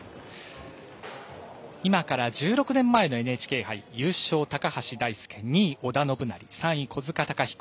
今から１６年前のＮＨＫ杯優勝、高橋大輔２位、織田信成３位、小塚崇彦。